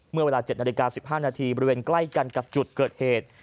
เมื่อเวลา๗นาฬิกา๑๕นาทีบริเวณใกล้กันกับจุดเกิดเหตุ